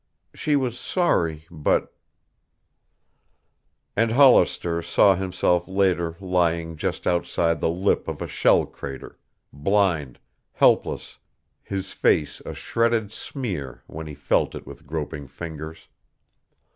She was sorry but And Hollister saw himself later lying just outside the lip of a shell crater, blind, helpless, his face a shredded smear when he felt it with groping fingers.